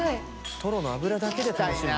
トロの脂だけで楽しむんだ。